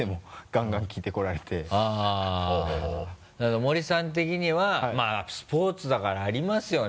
森さん的にはまぁスポーツだからありますよね。